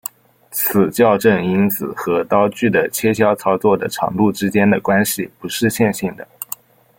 此校正因子和刀具的切削操作的长度之间的关系不是线性的。